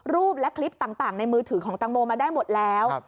และคลิปต่างในมือถือของตังโมมาได้หมดแล้ว